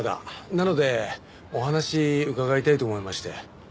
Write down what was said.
なのでお話伺いたいと思いまして。